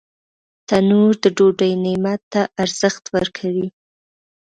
تنور د ډوډۍ نعمت ته ارزښت ورکوي